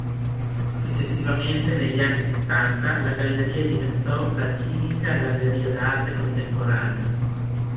Successivamente negli anni "settanta" la galleria diventò la Civica Galleria d’Arte Contemporanea.